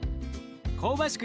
香ばしく